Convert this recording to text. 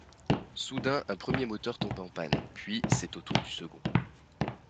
Soudain un premier moteur tombe en panne, puis c’est au tour du second.